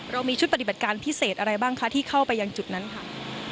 เรามีชุดปฏิบัติการพิเศษอะไรบ้างคะที่เข้าไปยังจุดนั้นค่ะ